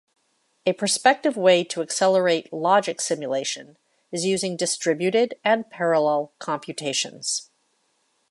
A prospective way to accelerate logic simulation is using distributed and parallel computations.